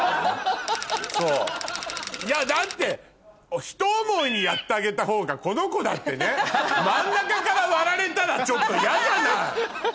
そういやだってひと思いにやってあげたほうがこのコだってね真ん中から割られたらちょっと嫌じゃない。